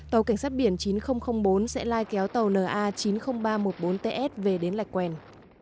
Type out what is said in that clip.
tàu csb chín nghìn bốn sẽ lai kéo tàu na chín mươi nghìn ba trăm một mươi bốn ts về đến lạch quen